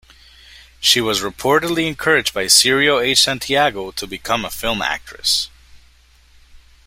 She was reportedly encouraged by Cirio H. Santiago to become a film actress.